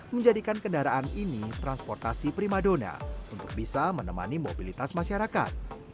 menjadikan kendaraan ini transportasi primadona untuk bisa menemani mobilitas masyarakat